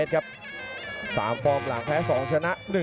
สวัสดิ์นุ่มสตึกชัยโลธสวัสดิ์